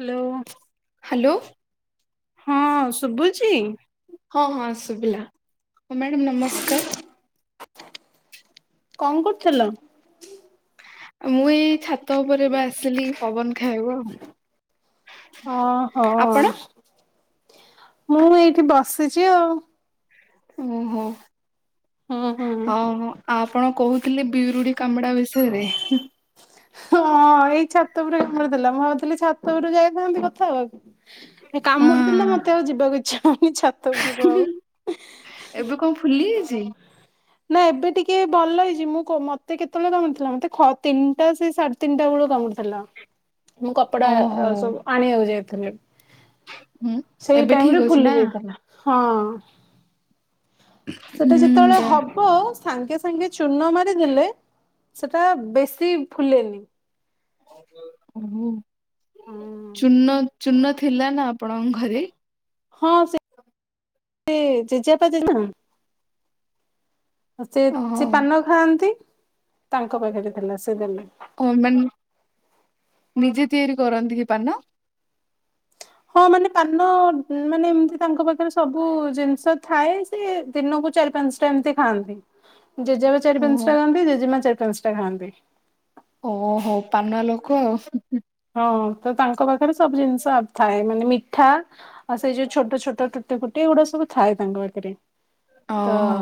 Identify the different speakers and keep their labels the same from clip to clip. Speaker 1: Hello.
Speaker 2: Hello.
Speaker 1: ହଁ ଶୁଭୁଚି।
Speaker 2: ହଁ ହଁ ଶୁଭିଲା। ହଁ ମ୍ୟାଡ଼ାମ ନମସ୍କାର।
Speaker 1: କଣ କରୁଥିଲ?
Speaker 2: ମୁଁ ଏଇ ଛାତ ଉପରେ ଏବେ ଆସିଲି ପବନ ଖାଇବା ଉ।
Speaker 1: ଓ ହୋ। ମୁଁ ଏଇଠି ବସିଚି ଆଉ।
Speaker 2: ଓହୋ
Speaker 1: ହୁଁ ହୁଁ।
Speaker 2: ହ ଆପଣ କହୁଥିଲେ ବିରୁଡି କାମଡା ବେଶୀ
Speaker 1: ହଁ ଏଇ ଛାତ ଉପରେ କାମୁଡ଼ି ଦେଲା ମୁଁ ଭାବୁଥିଲି ଛା ତ ଉପରକୁ ଯାଇଥାନ୍ତି କଥା ହବାକୁ। ଏ କାମୁଡି ଦେଲା
Speaker 2: ହଁ
Speaker 1: ମତେ ଆଉ ଯିବାକୁ ଇଚ୍ଛା ହଉନି ଛାତ ଉପରକୁ ଆଉ।
Speaker 2: ଫୁଲିଚି।
Speaker 1: ନା ଏବେ ଟିକେ ଭଲ ହେଇଛି ମୁଁ କ ମତେ କେତେବେଳେ କାମୁ ଥିଲା ମତେ ତିନିଟା ସେ ସାଢେ ତିନିଟା ବେଳ କାମୁଡିଥିଲା। ମୁଁ କପଡା
Speaker 2: ଓହୋ
Speaker 1: ସବୁ ଆଣିବାକୁ ଯାଇଥିନି।
Speaker 2: ହୁଁ
Speaker 1: ସେଇ
Speaker 2: ଏବେ
Speaker 1: ଟାଇମ
Speaker 2: ଠିକ
Speaker 1: ରେ
Speaker 2: ଅଛି ନା
Speaker 1: ଫୁଲି ଯାଇଥିଲା ହଁ। ସେଟା
Speaker 2: ହୁଁ
Speaker 1: ଯେତେବେଳେ
Speaker 2: ଯା
Speaker 1: ହବ ସାଙ୍ଗେ ସାଙ୍ଗେ ଚୁନ ମାରିଦେଲେ ସେଟା ବେଶୀ ଫୁଲେନି।
Speaker 2: ଚୂନ ଚୂନ ଥିଲା ନା ଆପଣଙ୍କ ଘରେ?
Speaker 1: ହଁ ସେ ଏ ଜେଜେଆପା ଜେଜେ ମା ସେ
Speaker 2: ଓହୋ
Speaker 1: ସେ ପାନ ଖାଆନ୍ତି ତାଙ୍କ ପାଖରେ ଥିଲା ସେ ଦେଲେ।
Speaker 2: ହ ମାନ ନିଜେ ତିଆରି କରନ୍ତି କି ପାନ?
Speaker 1: ହଁ ମାନେ ପାନ ମାନେ ଏମିତି ତାଙ୍କ ପାଖରେ ସବୁ ଜିନିଷ ଥାଏ। ସେ ଦିନକୁ ଚାରି ପାଞ୍ଚଟା ଏମିତି ଖାଆନ୍ତି। ଜେଜେମା ଚାରି
Speaker 2: ଓହୋ
Speaker 1: ପାଞ୍ଚଟା ଖାଆନ୍ତି ଜେଜେମା ଚାରି ପାଞ୍ଚଟା ଖାଆନ୍ତି।
Speaker 2: ଓ ହୋ ପାନୁଆ ଲୋକ ଆଉ।
Speaker 1: ହଁ ତ ତାଙ୍କ ପାଖରେ ସବୁ ଜିନିଷ ଥାଏ ମାନେ ମିଠା ଆଉ ସେଇ ଯୋଉ ଛୋଟ ଛୋଟ ଗୋଟେ ଗୁଡା ସବୁ ଥାଏ ତାଙ୍କ ପାଖରେ ତ
Speaker 2: ଓହୋ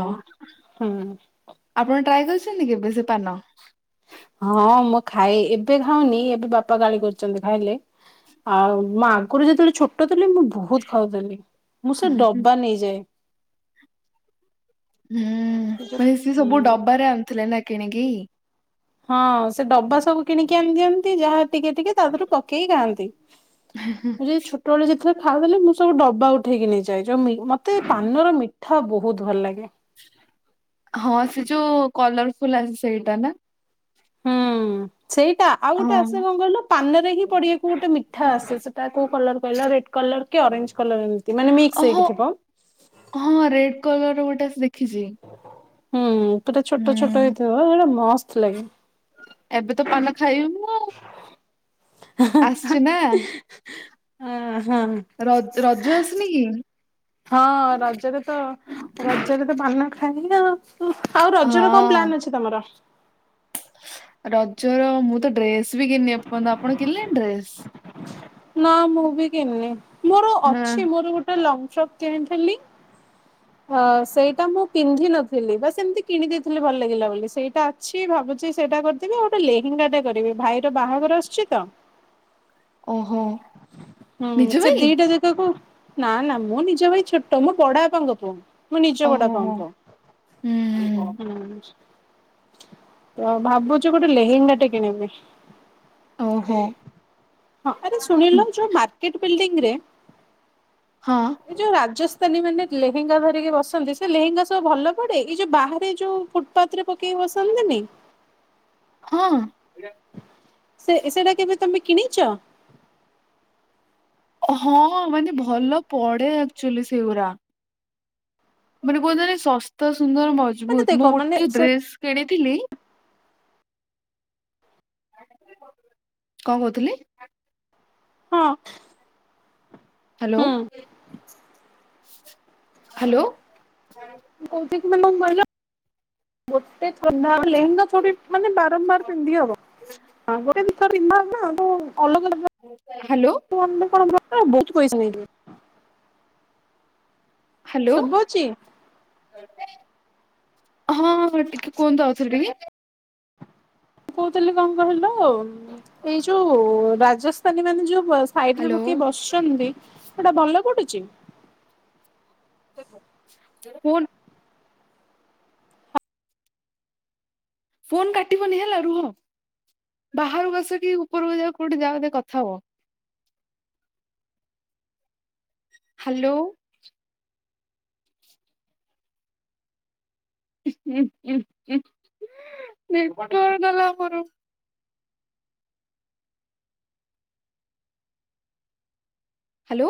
Speaker 1: ହୁଁ।
Speaker 2: ଆପଣ ଟ୍ରାଏ କରିଛନ୍ତି କେବେ ବେଶୀ ପାନ?
Speaker 1: ହଁ ମୁଁ ଖାଇଏ ଏବେ ଖାଉନି ଏବେ ବାପା ଗାଳି କରୁଛନ୍ତି ଖାଇଲେ ଆଉ ମା କୁକୁର ଯେତେବେଳେ ଛୋଟ ଥିଲଲି ମୁଁ ବହୁତ ଖାଉଥିଲି ମୁଁ ସେ ଡବା ନେଇଯାଏ।
Speaker 2: ହୁଁ
Speaker 1: ସେ ଯୋଉ
Speaker 2: ମାନେ ସି ସବୁ
Speaker 1: ହୁଁ
Speaker 2: ଡବାରେ ଆଣିୁଥିଲେ ନା କିଣିକି
Speaker 1: ହଁ ସେ ଡବା ସବୁ କିଣିକି ଆଣିଦିଅନ୍ତି ଯାହା ଟିକେ ଟିକେ ତାରୁ ପକେଇି ଖାଆନ୍ତି ମୁଁ ଯଦି ଛୋଟବେେଳେ ଯେତେବେଳେ ଖାଆ ଦେେଲେ ମୁଁ ସବୁ ଡବା ଉଠେଇକି ନେଇଛିି। ଯୋଉ ମତେ ପାନର ମିଠା ବହୁତ ଭଲ ଲାଗେ
Speaker 2: ହଁ ସେ ଯୋଉ କଲରଫୁଲ ଅଛି ସେଇଟା ନା?
Speaker 1: ହୁଁ ସେଇଟା ଆଉ ଗୋଟେ
Speaker 2: ହଁ
Speaker 1: ଆସେ କଣ କହିଲୁ ପାନରେ ହିଁ ପଡିିବାକୁ ଗୋଟେ ମିଠା ଆସେ ତା କୋଉ କଲର କହିଲା ରେଡ୍ କଲର କି ଅରେଞ୍ଜ କଲର ଏମିତି ମାନେ ମିକ୍ସ
Speaker 2: ଓହୋ
Speaker 1: ହେକି ଥିବ।
Speaker 2: ହଁ ରେଡ କଲର ର ଗୋଟେ ଦେଖିଛି।
Speaker 1: ହୁଁ ପୁରା ଛୋଟ ଛୋଟ
Speaker 2: ହୁଁ
Speaker 1: ହେଇଥିବ ସେଟା ମସ୍ତ ଲାଗେ।
Speaker 2: ଏବେ ତ ପାନ ଖାଇବୁନୁ? ଆସଛି ନା?
Speaker 1: ଅ ହଁ
Speaker 2: ର ରଜ ଆସୁନି କି?
Speaker 1: ହଁ ରଜରେ ତ ରଜରେ ପାନା ଖାଇ ଆଉ ଆଉ ରଜ ର କଣ
Speaker 2: ହଁ
Speaker 1: ପ୍ଲାନ ଅଛି ତମର?
Speaker 2: ରଜର ମୁଁ ତ ଡ୍ରେସ ବି କିଣି ଏ ଆପଣ କିଣିଲେଣି ଡ୍ରେସ?
Speaker 1: ନା ମୁଁ ବି କିଣିନି ମୋର
Speaker 2: ହଁ
Speaker 1: ଅଛି ମୋର ଗୋଟେ ଲଙ୍ଗ ଫପ କିଣିଥିଲି। ହ ସେଇଟା ମୁଁ ପିନ୍ଧିିନଥିଲି ବା ସେମିତି କିଣିଦେଇଥିଲି ଭଲ ଲାଗିଲା ବୋଲି ସେଇଟା। କିଛି ଭାବଛି ସେଇଟା କରିଦେବି ଆଉ ଗୋଟେ ଲେହେଙ୍ଗାଟା କରିବି ଭାଇର ବାହାଘର ଆସୁଛି ତ
Speaker 2: ଓହୋ ନିଜ
Speaker 1: ହୁଁ ସେ
Speaker 2: ପାଇଁ
Speaker 1: ଦିଟା ଯାଗାକୁ ନା ନା ମୁଁ ନିଜ ଭାଇ ଛୋଟ ମୋ ବଡ ବାପାଙ୍କ ପୁଅ ମୁଁ ନିଜ ଗୁଡା
Speaker 2: ଓହୋ
Speaker 1: ପା
Speaker 2: ହୋ
Speaker 1: ପା
Speaker 2: ହୁଁ
Speaker 1: ହୁଁ ତ ଭାବୁଛୁ ଗୋଟେ ଲେହେଙ୍ଗା ଟେ କିଣିବି
Speaker 2: ଓହଁ
Speaker 1: ହଁ ଆରେ ଶୁଣିଲୁ ଯୋଉ ମାର୍କେଟ ବିଲଡିଙ୍ଗରେ
Speaker 2: ହଁ
Speaker 1: ଏ ଯୋଉ ରାଜସ୍ଥାନୀ ମାନେ ଲେହେଙ୍ଗା ଧରିକି ବସନ୍ତି ସେ ଲେହେଙ୍ଗା ସବୁ ଭଲ ପଡେ ଏଇ ଯୋଉ ବାହାରେ ଯୋଉ ପାତରେ ପକେଇକି ବସନ୍ତିନି?
Speaker 2: ହଁ
Speaker 1: ସେ ସେଟା କେବେ ତମେ କିଣିଛ?
Speaker 2: ହଁ ମାନେ ଭଲ ପଢେ ଆକ୍ଚୁଆଲି ସେଗୁଡା। ମାନେ କୁହନ୍ତ ଶସ୍ତା ସୁନ୍ଦର
Speaker 1: ମାନେ
Speaker 2: ମଜବୁତ ମୁଁ
Speaker 1: ଦେଖ ମାନେ
Speaker 2: ଗୋଟେ
Speaker 1: ସେ
Speaker 2: ଡ୍ରେସ କିଣିଥିଲି କଣ କହୁଥିଲି?
Speaker 1: ହଁ।
Speaker 2: ହ୍ୟାଲୋ
Speaker 1: ହୁଁ
Speaker 2: ହ୍ୟାଲୋ।
Speaker 1: କହୁଥିଲି କି [inaudible] ମାନେ ବାରମ୍ବାର ପିନ୍ଧି ହବ ଗୋଟେ ଦ ପିନ୍ଧା ନା ଆ ଅଲଗା ଅଲଗା
Speaker 2: ହ୍ୟାଲୋ।
Speaker 1: କଣ ବହୁତ ପଇସା ନେଇଥିବେ।
Speaker 2: ହ୍ୟାଲୋ।
Speaker 1: ଶୁଭୁଛି
Speaker 2: ହଁ ହଁ ଟିକେ କୁହନ୍ତୁ ଆଉଥରେ ଟିକେ।
Speaker 1: କହୁଥିଲି କଣ କହିଲ ଏଇ ଯୋଉ ରାଜସ୍ଥାନୀ ମାନେ ଯୋଉ ସାଇଡରେ
Speaker 2: ହ୍ୟାଲୋ
Speaker 1: ପକେଇ ବସଛନ୍ତି ସେଟା ଭଲ ପଡୁଛି?
Speaker 2: ହୁଁ। ଫୋନ କାଟିବନି ହେଲା ରୁହ ବାହାରକୁ ଆସ କି ଉପରକୁ ଯାଅ କୋଉଠି ଯାଅ କଥା ହୁଅ। ହ୍ୟାଲୋ। ନେଟୱର୍କ ଗଲା ମୋର। ହ୍ୟାଲୋ।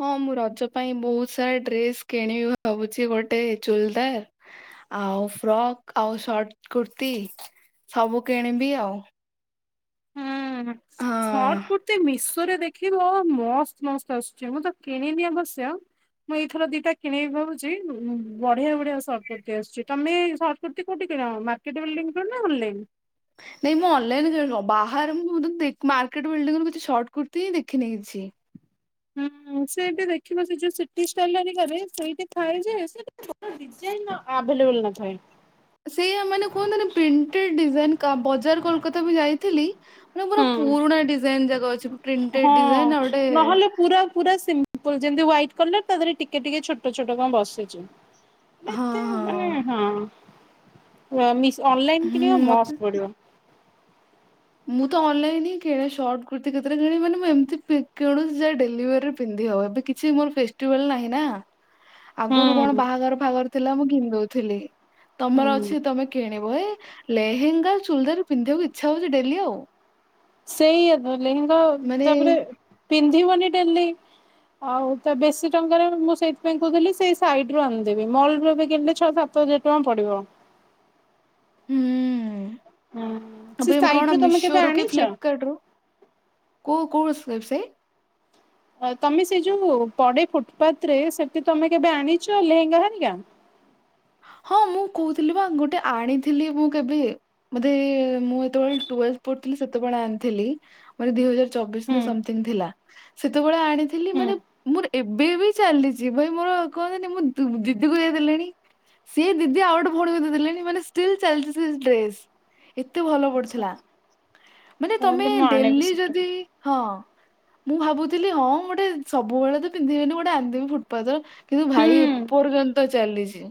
Speaker 2: ହଁ ମୁଁ ରଜ ପାଇଁ ବହୁତ ସାରା ଡ୍ରେସ କିଣିବି ଭାବୁଛି ଗୋଟେ ଚୁଲଦାର ଆଉ ଫ୍ରକ୍ ଆଉ ସର୍ଟ କୁର୍ତି ସବୁ କିଣିବି ଆଉ।
Speaker 1: ହୁଁ
Speaker 2: ହଁ
Speaker 1: ସର୍ଟ କୁର୍ତି ମିଶ ରେ ଦେଖିବ ମସ୍ତ ମସ୍ତ ଆସୁଛି, ମୁଁ ତ କିଣିନି ଆବଶ୍ୟ ମୁଁ ଏଇଥର ଦିଟା କିଣିକି ଭାବୁଛି ବଢିଆ ବଢିଆ ସର୍ଟ କୁର୍ତ୍ତି ଆସୁଛି ତମେ ସ ସର୍ଟ କୁର୍ତି କୋଉଠି କିଣ ମାର୍କେଟ ବିଲ୍ଡିଙ୍ଗ ନା ଅନଲାଇନ୍?
Speaker 2: ନାଇଁ ମୁଁ ଅନଲାଇନ ବାହାରେ ମୁ ମାର୍କେଟ ବିଲ୍ଡଙ୍ଗ ରୁ କିଛି ସର୍ଟ କୁର୍ତ୍ତି ହିଁ ଦେଖିନି କିଛି।
Speaker 1: ହୁଁ ସେଠି ଦେଖିବ ସେ ଯୋଉ ସିଟି ଷ୍ଟାଇଲ ହେରିକରେ ସେଇଠି ଥାଏ ଯେ ଭଲ ଡିଜାଇନ ଆଭେଲେବୁଲ ନଥାଏ।
Speaker 2: ସେୟା ମାନେ କୁହନ୍ତିନି ପ୍ରିଣ୍ଟେଡ ଡିଜାଇନ କା ବଜାର କୋଲକତା ବି ଯାଇଥିଲି ମାନେ ପୁରା
Speaker 1: ହୁଁ।
Speaker 2: ପୁରୁଣା ଡିଜାଇନ ଯାକ ଅଛି ପ୍ରିଣ୍ଟେଡ
Speaker 1: ହଁ
Speaker 2: ଡିଜାଇନ ଆଉ ଗୋଟେ
Speaker 1: ନହେଲେ ପୁରା ପୁରା ସିମ୍ପଲ ଯେମିତି ହାଇଟ୍ କଲର ତା ଦେହରେ ଟିକେ ଟିକେ ଛୋଟ ଛୋଟ କଣ ବସିଛି।
Speaker 2: ହଁ
Speaker 1: ଏତେ
Speaker 2: ହଁ
Speaker 1: ମାନେ ହଁ ମିସ୍ ଅନଲାଇନ
Speaker 2: ହୁଁ
Speaker 1: କିଣିବ
Speaker 2: ମତେ
Speaker 1: ମସ୍ତ୍ ପଡିବ।
Speaker 2: ମୁଁ ତ ଅନଲାଇନ ହିଁ କିଣେ ସର୍ଟ କୁର୍ତ୍ତିୀ କେତେଳେ କିଣି ମାନେ ମୁଁ ଏମତି କିଣୁଛି ଯେ ଡେଲିଭରି ପିନ୍ଧି ହବ ଏବେ କି କିଛି ମୋର ଫେଷ୍ଟିଭାଲ ନାହିଁ ନା। ଆଗରୁ କଣ
Speaker 1: ହୁଁ
Speaker 2: ବାହାଘର ଫାଘର ଥିଲା ମୁଁ କିଣି ଦଉଥିଲି ତମର
Speaker 1: ହୁଁ
Speaker 2: ଅଛି ତମେ କିଣିବ ଏ ଲେହେଙ୍ଗା ଚୁଲଦାର ପିନ୍ଧିବାକୁ ଇଚ୍ଛା ହଉଛି ଡେଲି ଆଉ।
Speaker 1: ସେଇ ଏବେ ଲେହେଙ୍ଗା
Speaker 2: ମାନେ
Speaker 1: ତାପରେ ପିନ୍ଧିବନି ଡେଲି। ଆଉ ତ ବେଶୀ ଟଙ୍କାରେ ମୁଁ ସେଇଥିପାଇଁ କହୁଥିଲି ସେଇ ସାଇଡ ରୁ ଆଣିଦେବି ମଲରୁ ଏବେ କିଣିଲେ ଛ ସାତ ତ ହଜାର ଟଙ୍କା ପଡିବ।
Speaker 2: ହୁଁ
Speaker 1: ହୁଁ ସେ
Speaker 2: ଆପ
Speaker 1: ସାଇଟ୍
Speaker 2: କଣ
Speaker 1: ରୁ ତମେ
Speaker 2: ମିଶୋ
Speaker 1: କେବେ
Speaker 2: ରୁ କି
Speaker 1: ଆଣିଛ?
Speaker 2: ଫ୍ଲିପକାର୍ଟ ରୁ? କେଉଁ କେଉଟା ସେ ୱେବ୍ ସାଇଟ୍?
Speaker 1: ତମେ ସେ ଯୋଉ ପଡେ ଫୁଟପାଥ ରେ ସେଠି ତମେ କେବେ ଆଣିଛ ଲେହେଙ୍ଗା ହାରିକା?
Speaker 2: ହଁ ମୁଁ କହୁଥିଲି ବା ଗୋଟେ ଆଣିଥିଲି ମୁଁ କେବେ ବୋଧେ ମୁଁ ଯେତେବେଳେ ଟୁୱେଲ୍ଥ ପଢୁଥିଲି ସେତେବେଳେ ଆଣିଥିଲି ବୋଧେ ଦି ହଜାର ଚବିଶ
Speaker 1: ହୁଁ
Speaker 2: ନା ସମଥିଙ୍ଗ ଥିଲା ସେତେବେଳେ ଆଣିଥିଲି,
Speaker 1: ହୁଁ
Speaker 2: ମାନେ ମୋର ଏବେ ବି ଚାଲିଛି ଭାଇ ମୋର କୁହନ୍ତନି ମୁଁ ଦିଦିକୁ ଦେଇ ଦେଲେଣି। ସିଏ ଦିଦି ଆଉ ଗୋଟେ ଭଉଣୀକୁ ଦେଇ ଦେଲେଣି ମାନେ ଷ୍ଟିଲ୍ ଚାଲିଛି ସେ ଡ୍ରେସ୍। ଏତେ ଭଲ
Speaker 1: ଆଚ୍ଛା।
Speaker 2: ପଡିଥିଲା, ମାନେ ତମେ
Speaker 1: ତାହେଲେ ମୁଁ ଆଣିବି
Speaker 2: ଡେଲି
Speaker 1: ସେଟା
Speaker 2: ଯଦି ହଁ ମୁଁ ଭାବୁଥିଲି ହଁ ଗୋଟେ ସବୁବେଳେ ତ ପିନ୍ଧିବିନି ଗୋଟେ ଆଣିଦେବି ଫୁଟପାଥ ର କିନ୍ତୁ
Speaker 1: ହୁଁ
Speaker 2: ଭାଇ ଏପର୍ଯ୍ୟନ୍ତ ଚାଲିଛି।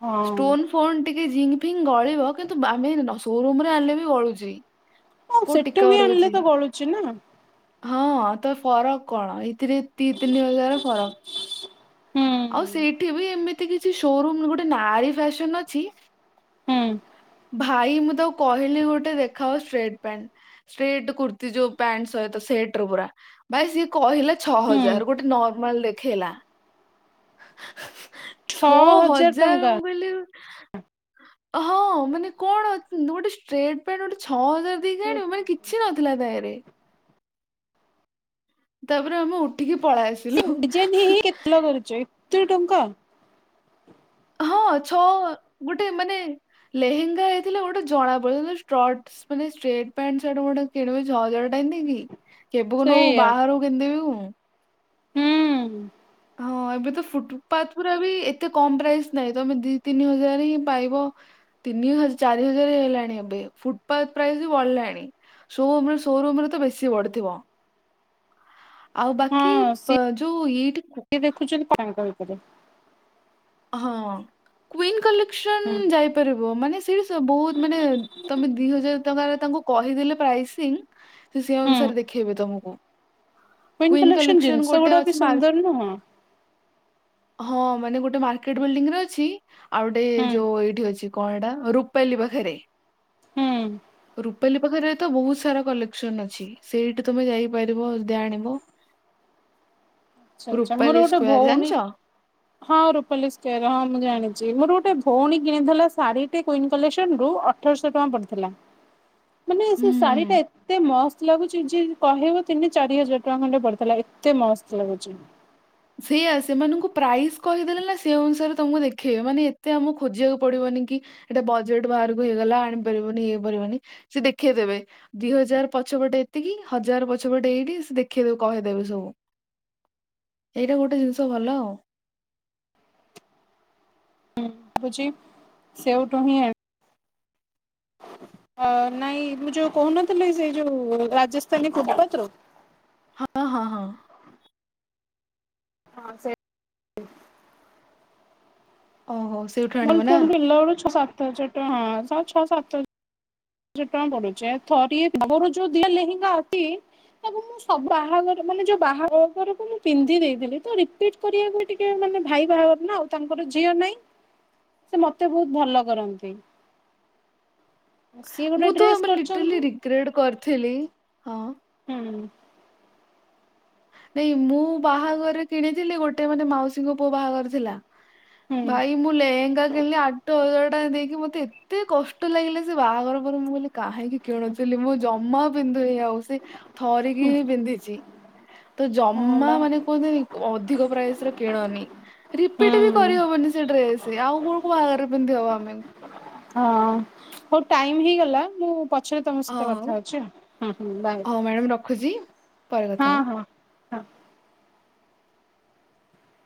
Speaker 1: ହଁ
Speaker 2: ଷ୍ଟୋନ ଫୋନ୍ ଟିକେ ଜିଙ୍ଗ ଫିଙ୍ଗ ଗଳିବ କିନ୍ତୁ ଆମେ ସୋରୁମ ରୁ ଆଣିଲେ ବି ଗଳୁଛି।
Speaker 1: ହଁ
Speaker 2: କୋଉ
Speaker 1: ସେଠୁ
Speaker 2: ଟିକା
Speaker 1: ବି
Speaker 2: ରହୁଛି
Speaker 1: ଆଣିଲେ ତ ଗଳୁଛି ନା।
Speaker 2: ହଁ ତ ଫରକ କଣ ଏଇଥିରେ ଦି ତିନି ହଜାର ଫରକ।
Speaker 1: ହୁଁ
Speaker 2: ଆଉ ସେଇଠି ବି ଏମିତି କିଛି ସୋରୁମ ଗୋଟେ ନାରୀ ଫ୍ୟାସନ ଅଛି।
Speaker 1: ହୁଁ
Speaker 2: ଭାଇ ମୁଁ ତାକୁ କହିଲି ଗୋଟେ ଦେଖାଅ ଷ୍ଟ୍ରେଟ୍ ପ୍ୟାଣ୍ଟ। ଷ୍ଟ୍ରେଟ୍ କୁର୍ତ୍ତି ଯୋଉ ପ୍ୟାଣ୍ଟ ସହିତ ସେଟ ର ପୁରା। ଭାଇ ସିଏ କହିଲା ଛଅ
Speaker 1: ହୁଁ
Speaker 2: ହଜାର ଗୋଟେ ନର୍ମାଲ ଦେଖେଇଲା। ଛଅ ହଜାର ମୁଁ କହିଲି ହଁ ମାନେ କଣ ଗୋଟେ ଷ୍ଟ୍ରେଟ ପ୍ୟାଣ୍ଟ ଗୋଟେ ଛଅ ହଜାର ଦେଇକି ଆଣିବ ମାନେ କିଛି ନଥିଲା ତାରେ। ତାପରେ ଆମେ ଉଠିକି ପଳେଇ ଆସି
Speaker 1: ସେ ଡିଜାଇନ ହେଇି ହେଇ କେତଲା କରୁଚି ଏତେ ଟଙ୍କା।
Speaker 2: ହଁ ଛଅ ଗୋଟେ ମାନେ ଲେହେଙ୍ଗା ହେଇଥିଲେ ଗୋଟେ ଜଣା ପଡୁ [unintelligible] ଷ୍ଟଟ ମାନେ ଷ୍ଟ୍ରେଟ ପ୍ୟାଣ୍ଟ ସାର୍ଟ ଗୋଟେ କିଣିବ ଛଅ ହଜାର ଟଙ୍କା ଦେଇକି। କେବେକୁ ନୁହ ମୋ
Speaker 1: ସେଇଆ
Speaker 2: ବାହାଘରକୁ କିଣି ଦେବି
Speaker 1: ହୁଁ।
Speaker 2: ହଁ ଏବେ ତ ଫୁଟପାତ୍ ଗୁରା ବି ଏତେ କମ୍ ପ୍ରାଇସ୍ ନାହିଁ ତମେ ଦି ତିନି ହଜାର ରେ ହିଁ ପାଇବ। ତିନି ହଜ, ଚାରି ହଜାର ହେଲାଣି ଏବେ। ଫୁଟପାତ୍ ପ୍ରାଇସ୍ ବି ବଢିଲାଣି। ସୋରୁମ୍ ରେ ସୋରୁମ୍ ରେ ତ ବେଶୀ ବଢିଥିବ। ଆଉ
Speaker 1: ହଁ,
Speaker 2: ବାକି ପ-
Speaker 1: ସିଏ
Speaker 2: ଯୋଉ ଏଇଠି କୁ-
Speaker 1: ବି ଦେଖୁଛନ୍ତି [unintelligible] ଭିତରେ।
Speaker 2: ହଁ କ୍ୱିନ୍ କଲେକ୍ସନ
Speaker 1: ହୁଁ
Speaker 2: ଯାଇପାରିବ, ମାନେ ସେଇଠି ବହୁତ୍ ମାନେ ତମେ ଦି ହଜାର ଟଙ୍କା ରେ ତାଙ୍କୁ କହିଦେଲେ ପ୍ରାଇସିଂ ସିଏ ସେ
Speaker 1: ହୁଁ
Speaker 2: ଅନୁସାରେ ଦେଖେଇବେ ତମକୁ।
Speaker 1: କୁଇନ୍
Speaker 2: କ୍ୱିନ୍ କଲେକ୍ସନ
Speaker 1: ଜିନିଷ
Speaker 2: ଗୋଟେ
Speaker 1: ଗୁଡା ବି
Speaker 2: ଅଛି ମା
Speaker 1: ସୁନ୍ଦର ନୁହଁ
Speaker 2: ହଁ ମାନେ ଗୋଟେ ମା ମାର୍କେଟ ବିଲ୍ଡିଙ୍ଗ ରେ ଅଛି। ଆଉ ଗୋଟେ
Speaker 1: ହୁଁ
Speaker 2: ଯୋଉ ଏଇଠି ଅଛି କଣ ଏଟା ରୂପାଲି ପାଖରେ।
Speaker 1: ହୁଁ
Speaker 2: ରୂପାଲି ପାଖରେ ତ ବହୁତ ସାରା କଲେକ୍ସନ ଅଛି। ସେଇଠି ତମେ ଯାଇପାରିବ ଯଦି ଆଣିବ।
Speaker 1: [unintelligible]
Speaker 2: ରୂପାଲି
Speaker 1: ଗୋଟେ
Speaker 2: ସ୍କୋୟାର ଜାଣିଛ?
Speaker 1: ଭଉଣୀ ହଁ ରୁପାଲିସ୍ କେୟାର ହଁ ମୁଁ ଜାଣିଚି। ମୋର ଗୋଟେ ଭଉଣୀ କିଣିଥିଲା ଶାଢୀ ଟେ କ୍ୱିନ୍ କଲେସନ ରୁ ଅଠରଶହ ଟଙ୍କା ପଡ଼ିଥିଲା।
Speaker 2: [inaudible] [inaudible]
Speaker 1: ମାନେ ସେ ଶାଢ଼ୀ ଟା
Speaker 2: ହୁଁ।
Speaker 1: ଏତେ ମସ୍ତ ଲାଗୁଚି ଯିଏ କହିବ ତିନି ଚାରି ହଜାର ଟଙ୍କା ଖଣ୍ଡେ ପଡିଥିଲା ଏତେ ମସ୍ତ ଲାଗୁଚି।
Speaker 2: ସେଇଆ ସେମାନଙ୍କୁ ପ୍ରାଇସ୍ କହିଦେଲେ ନା ସେ ଅନୁସାରେ ତମକୁ ଦେଖେଇବେ। ମାନେ ଏତେ ଆମକୁ ଖୋଜିବାକୁ ପଡିବନି କି ଏଟା ବଜେଟ୍ ବାହାରକୁ ହେଇଗଲା ଆଣିପାରିବନି ଇଏପାରିବନି ସେ ଦେଖେଇଦେବେ। ଦି ହଜାର ପଛପଟେ ଏତିକି, ହଜାର ପଛପଟେ ଏଇଠି ସେ ଦେଖେଇଦେବେ କହିଦେବେ ସବୁ। ଏଇଟା ଗୋଟେ ଜିନିଷ ଭଲ ଆଉ।
Speaker 1: ହଉଚି ସେଉଟୁ ହିଁ ଆ ଅ ନାଇଁ ମୁଁ ଯୋଉ କହୁନଥିଲି ସେଇ ଯୋଉ ରାଜସ୍ଥାନୀ ଫୁଟପାତ୍ ରୁ
Speaker 2: ହଁ ହଁ ହଁ।
Speaker 1: ହଁ ସେ
Speaker 2: ଅ ହୋ।
Speaker 1: [unintelligible] ଛଅ ସାତ ହଜାର ଟଙ୍କା ଛଅ ସାତ ହ ହଜାର ଟଙ୍କା ପଡୁଚି। ଥରିଏ ଆମର ଯୋଉ ଦି ଟା ଲେହେଙ୍ଗା ଅଛି ତାକୁ ମୁଁ ସବୁ ବାହାଘର ମାନେ ଯୋଉ ବାହାଘରକୁ ମୁଁ ପିନ୍ଧି ଦେଇଥିଲି। ତ ରିପିଟ୍ କରିବାକୁ ବି ଟିକେ କେ ମାନେ ଭାଇ ବାହାଘର ନା ଆଉ। ତାଙ୍କର ଝିଅ ନାଇଁ, ସେ ମତେ ବହୁତ ଭଲ କରନ୍ତି। ସିଏ ଗୋଟେ
Speaker 2: ମୁଁ ତ
Speaker 1: ଡ୍ରେସ
Speaker 2: ଲିଟ୍ରେଲି
Speaker 1: କରିଛନ୍ତି
Speaker 2: ରିକ୍ରେଟ୍ କରିଥିଲି ହଁ
Speaker 1: ହୁଁ।
Speaker 2: ନାଇଁ ମୁଁ ବାହାଘର ରେ କିଣିଥିଲି ଗୋଟେ ମାନେ ମାଉସୀଙ୍କ ପୁଅ ବାହାଘର ଥିଲା।
Speaker 1: ହୁଁ
Speaker 2: ଭାଇ ମୁଁ ଲେହେଙ୍ଗା କିଣିଲି ଆଠ ହଜାର ଟଙ୍କା ଦେଇକି ମତେ ଏତେ କଷ୍ଟ ଲାଗିଲା ସେ ବାହାଘର ପରେ ମୁଁ କହିଲି କାହିଁକି କିଣୁଥିଲି। ମୁଁ ଜମା ପିନ୍ଧୁନି ଆଉ, ସେ ଥରିକି ହିଁ ପିନ୍ଧିଚି। ତ
Speaker 1: ହଁ
Speaker 2: ଜମା
Speaker 1: ବା
Speaker 2: ମାନେ କୁହନ୍ତିନି ଅଧିକ ପ୍ରାଇସ୍ ରେ କିଣନି। ରିପିଟ୍
Speaker 1: ହୁଁ
Speaker 2: ବି କରିହବନି ସେ ଡ୍ରେସ। ଆଉ କଣ କୋଉ ବାହାଘରରେ ପିନ୍ଧି ହବ ଆମେ।
Speaker 1: ହଁ, ହଉ ଟାଇମ ହେଇଗଲା। ମୁଁ ପଛରେ ତମ
Speaker 2: ହଁ
Speaker 1: ସହିତ
Speaker 2: ହଉ
Speaker 1: କଥା ହଉଚି ଆଉ। ହଁ, ହୁଁ ବାଏ।
Speaker 2: ହଉ ମ୍ୟାଡମ୍ ରଖୁଛି ପରେ କଥା
Speaker 1: ହଁ
Speaker 2: ହବା
Speaker 1: ହଁ। ହଁ।